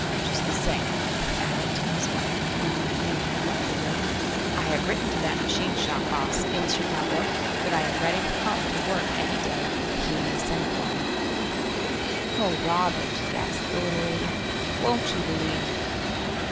Just the same," he added to his wife, when Nan had left the room, "I have written to that machine shop boss in Chicago that I am ready to come to work any day he may send for me." "Oh, Robert!" gasped the little lady. "Won't you believe?"